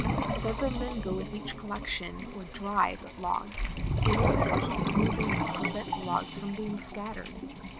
Several men go with each collection, or " drive," of logs, in or der to keep it moving and to prevent the logs from being scattered.